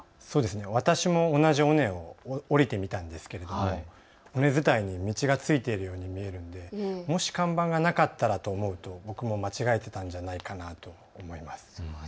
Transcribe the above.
私も同じ尾根を下りてみたんですが尾根づたいに道がついているように見えるのでもし看板がなかったらと思うと間違えてたんじゃないかなと思います。